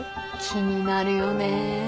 気になるよね。